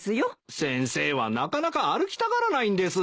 先生はなかなか歩きたがらないんです。